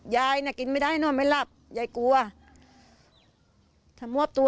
ยายเทรจ่ายนะ